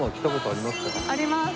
あります。